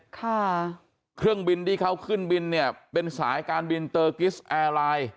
ค่ะเครื่องบินที่เขาขึ้นบินเนี่ยเป็นสายการบินเตอร์กิสแอร์ไลน์